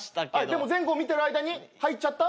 でも前後を見てる間に入っちゃった。